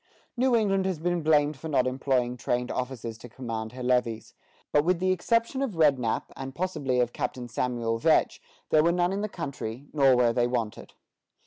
New England has been blamed for not employing trained officers to command her levies; but with the exception of Rednap, and possibly of Captain Samuel Vetch, there were none in the country, nor were they wanted.